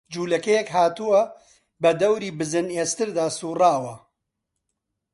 جوولەکەیەک هاتووە، بە دەوری بزن ئێستردا سووڕاوە